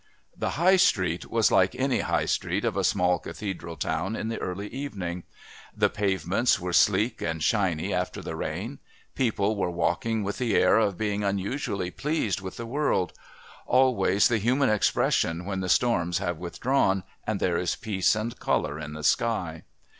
The High Street was like any High Street of a small Cathedral town in the early evening. The pavements were sleek and shiny after the rain; people were walking with the air of being unusually pleased with the world, always the human expression when the storms have withdrawn and there is peace and colour in the sky.